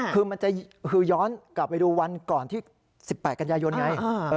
คือมันจะคือย้อนกลับไปดูวันก่อนที่๑๘กันยายนไง